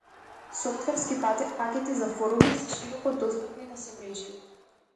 Софтверски пакети за форуми се широко достапни на семрежјето.